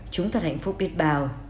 chúng thật hạnh phúc biết bao